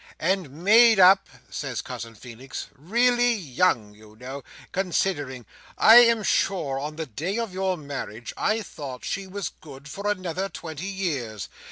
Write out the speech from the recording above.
"And made up," says Cousin Feenix, "really young, you know, considering. I am sure, on the day of your marriage, I thought she was good for another twenty years.